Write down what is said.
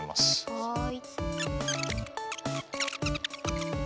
はい。